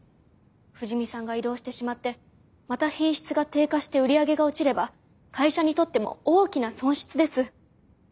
藤見さんが異動してしまってまた品質が低下して売り上げが落ちれば会社にとっても大きな損失です。